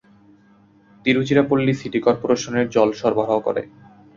Tiruchirappalli city corporation জল সরবরাহ করে।